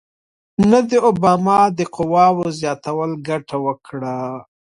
نه د اوباما د قواوو زیاتولو ګټه وکړه.